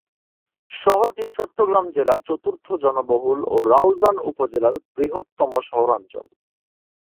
শহরটি চট্টগ্রাম জেলার চতুর্থ জনবহুল ও রাউজান উপজেলার বৃহত্তম শহরাঞ্চল।